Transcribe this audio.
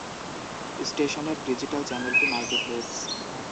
স্টেশনের ডিজিটাল চ্যানেলটি মাল্টিপ্লেক্স।